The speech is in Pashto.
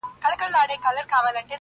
نه يوازي فرد پورې،